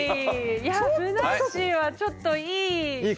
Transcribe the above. いやふなっしーはちょっといい。